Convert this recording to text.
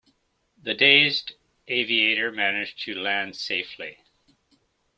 The dazed aviator managed to land safely.